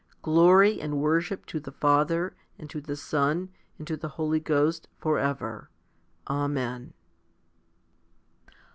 Glory and worship to the Father, and to the Son, and to the Holy Ghost, for ever. Amen.